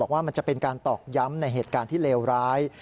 ว่ามันจะเป็นการตอกย้ำในเหตุการณ์ที่เลวร้าย